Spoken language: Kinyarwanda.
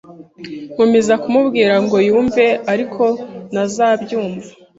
Nkomeza kumubwira ngo yumve, ariko ntazabyumva